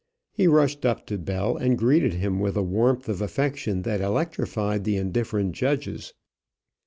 He rushed up to Bell and greeted him with a warmth of affection that electrified the indifferent judges.